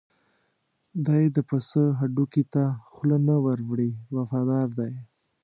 دی د پسه هډوکي ته خوله نه ور وړي وفادار دی.